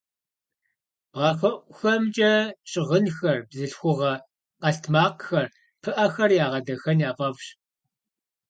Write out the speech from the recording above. Бгъэхэӏухэмкӏэ щыгъынхэр, бзылъхугъэ къэлътмакъхэр, пыӏэхэр ягъэдахэн яфӏэфӏщ.